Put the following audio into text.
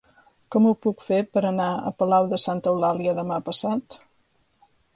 Com ho puc fer per anar a Palau de Santa Eulàlia demà passat?